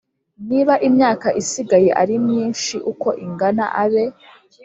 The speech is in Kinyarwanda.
Niba imyaka isigaye ari myinshi uko ingana abe